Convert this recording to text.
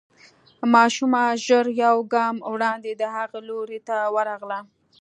ماشومه ژر يو ګام وړاندې د هغه لوري ته ورغله.